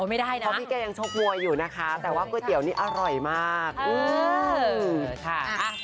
ไม่ได้นะเพราะพี่แกยังชกมวยอยู่นะคะแต่ว่าก๋วยเตี๋ยวนี้อร่อยมาก